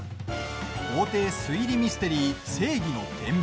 法廷推理ミステリー「正義の天秤」。